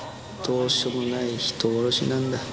どうしようもない人殺しなんだ。